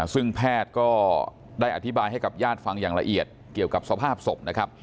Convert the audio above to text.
ซึ่งแพทย์ก็ได้อธิบายให้กับญาติฟังอย่างละเอียดเกี่ยวกับสภาพศพนะครับ